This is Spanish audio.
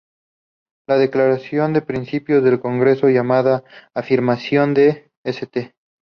La declaración de principios del Congreso, llamada "Afirmación de St.